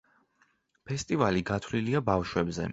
ფესტივალი გათვლილია ბავშვებზე.